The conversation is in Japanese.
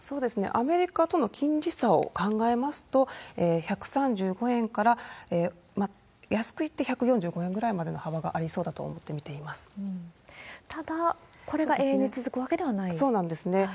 アメリカとの金利差を考えますと、１３５円から、安くいって１４５円ぐらいまでの幅がありそうだと思って見ていまただ、これが永遠に続くわけそうなんですね。